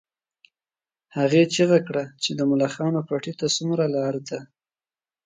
هغې چیغه کړه چې د ملخانو پټي ته څومره لار ده